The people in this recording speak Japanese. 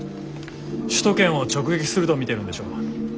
首都圏を直撃すると見てるんでしょう。